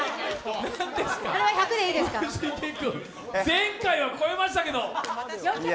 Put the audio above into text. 前回は超えましたけど。